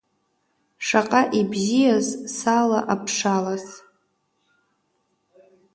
Шаҟа ибзиаз сала аԥшалас…